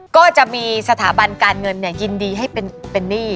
ก็จะมีสถาบันการเงินยินดีให้เป็นหนี้